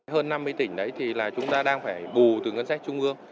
hơn năm mươi tỉnh đấy thì là chúng ta đang phải bù